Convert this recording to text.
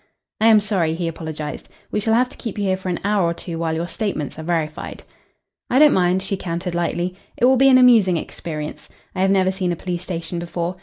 "I am sorry," he apologised. "We shall have to keep you here for an hour or two while your statements are verified." "I don't mind," she countered lightly. "It will be an amusing experience. I have never seen a police station before.